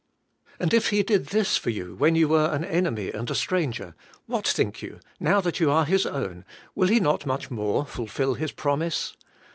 And if He did this for you when you were an enemy and a stranger, what think you, now that you are His own, will He not much more fulfil His promise?